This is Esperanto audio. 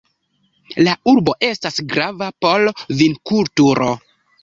La urbo estas grava por vinkulturo.